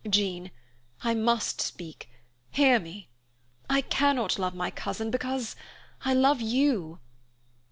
"Jean, I must speak; hear me. I cannot love my cousin, because I love you."